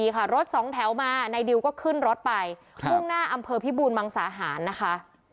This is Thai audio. ค่ะรถสองแถวมานายดิวก็ขึ้นรถไปมุ่งหน้าอำเภอพิบูรมังสาหารนะคะ